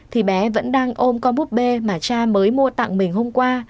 thì bé vẫn đang ôm con búp bê mà cha mới mua tặng mình hôm qua